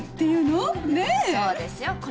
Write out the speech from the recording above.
そうですよ。